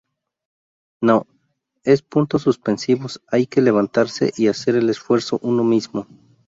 No, es puntos suspensivos… hay que levantarse y hacer el esfuerzo uno mismo.